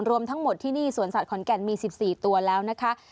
รวมทั้งหมดที่นี่สวนสัตว์ขอนแก่นมี๑๔ตัวแล้วนะคะ